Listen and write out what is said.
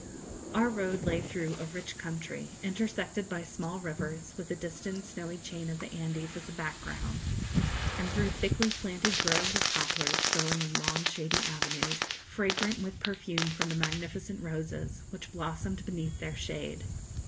Our road lay through a rich country, intersected by small rivers; with the distant snowy chain of the Andes as a background, and through thickly planted groves of poplars, growing in long shady avenues, fragrant with perfume from the magnificent roses which blossomed beneath their shade.